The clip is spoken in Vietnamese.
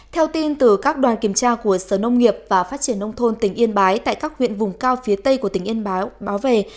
theo tin từ các đoàn kiểm tra của sở nông nghiệp và phát triển nông thôn tỉnh yên bái tại các huyện vùng cao phía tây của tỉnh yên bái báo về